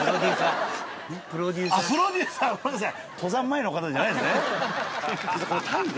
あっプロデューサーごめんなさい。